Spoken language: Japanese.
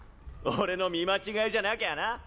俺の見間違いじゃなきゃな。